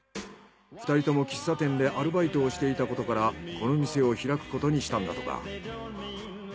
２人とも喫茶店でアルバイトをしていたことからこの店を開くことにしたんだとか。